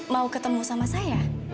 mau ketemu sama saya